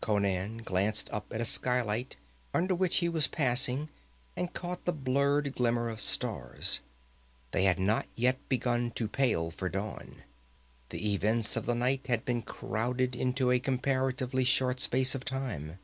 Conan glanced up at a skylight under which he was passing and caught the blurred glimmer of stars. They had not yet begun to pale for dawn. The events of the night had been crowded into a comparatively short space of time.